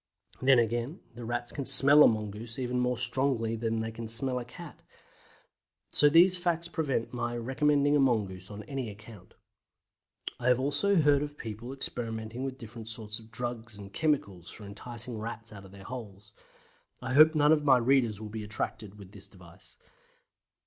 Then again, the Rats can smell a mongoose even more strongly than they can smell a cat. So these facts prevent my recommending a mongoose on any account. I have also heard of people experimenting with different sorts of DRUGS AND CHEMICALS for enticing Rats out of their holes. I hope none of my readers will be attracted with this device.